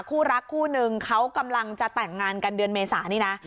คู่รักคู่นึงเขากำลังจะแต่งงานกันเดือนเมษานี่นะ